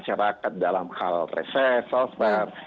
masyarakat dalam hal reses software